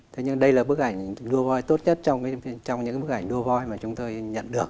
thế nhưng đây là bức ảnh đua voi tốt nhất trong những bức ảnh đua voi mà chúng tôi nhận được